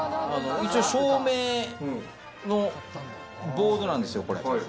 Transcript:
一応証明のボードなんですよ。